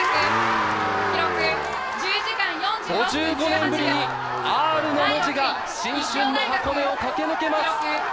５５年ぶりにＲの文字が新春の箱根を駆け抜けます。